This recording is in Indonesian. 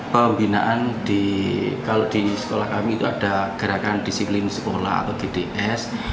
pembinaan kalau di sekolah kami itu ada gerakan disiplin sekolah atau gds